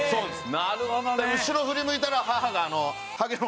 なるほどね。